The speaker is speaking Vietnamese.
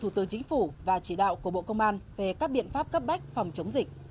thủ tướng chính phủ và chỉ đạo của bộ công an về các biện pháp cấp bách phòng chống dịch